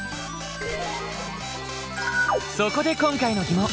そこで今回の疑問！